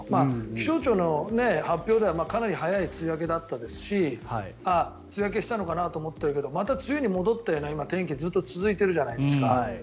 気象庁の発表ではかなり早い梅雨明けだったですし梅雨明けしたのかなと思いきやまた梅雨に戻ったような天気がずっと続いているじゃないですか。